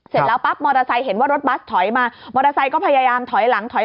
เสร็จแล้วปั๊บมอเตอร์ไซค์เห็นว่ารถบัสถอยมามอเตอร์ไซค์ก็พยายามถอยหลังถอย